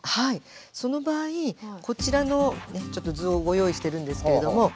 その場合こちらのちょっと図をご用意してるんですけれども。